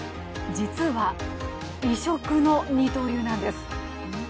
実は、異色の二刀流なんです。